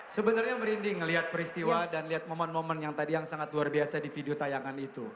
sebenarnya merinding melihat peristiwa dan lihat momen momen yang tadi yang sangat luar biasa di video tayangan itu